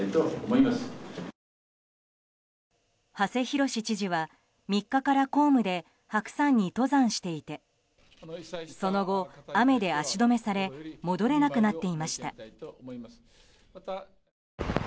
馳浩知事は３日から公務で白山に登山していてその後、雨で足止めされ戻れなくなっていました。